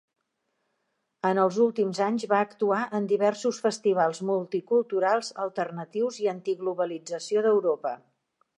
En els últims anys va actuar en diversos festivals multiculturals, alternatius i antiglobalització d'Europa.